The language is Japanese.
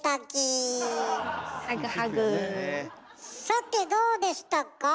さてどうでしたか？